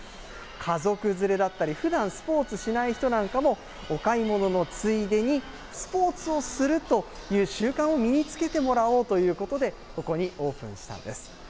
家族連れだったり、ふだんスポーツしない人なんかもお買い物のついでにスポーツをするという習慣を身につけてもらおうということで、ここにオープンしたんです。